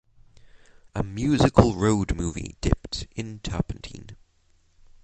A musical road movie dipped in turpentine.